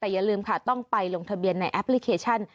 แต่อย่าลืมค่ะต้องไปลงทะเบียนในแอปพลิเคชัน